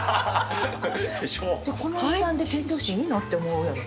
この値段で提供していいの？って思うやろ。